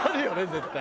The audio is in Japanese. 絶対。